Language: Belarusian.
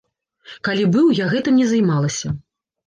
Калі быў, я гэтым не займалася.